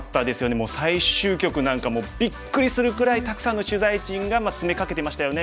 もう最終局なんかびっくりするぐらいたくさんの取材陣が詰めかけてましたよね。